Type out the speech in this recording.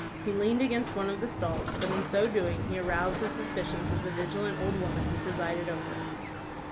He leaned against one of the stalls, but in so doing he aroused the suspicions of the vigilant old woman who presided over it.